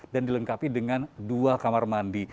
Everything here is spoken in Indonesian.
dan dilengkapi dengan dua kamar mandi